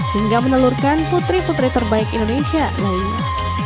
hingga menelurkan putri putri terbaik indonesia lainnya